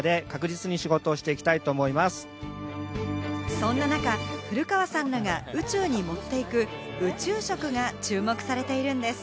そんな中、古川さんらが宇宙に持っていく宇宙食が注目されているんです。